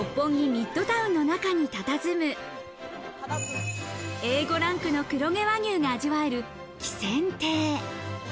ミッドタウンの中にたたずむ、Ａ５ランクの黒毛和牛が味わえる喜扇亭。